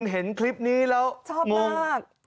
เห็นคลิปนี้แล้วชอบมาก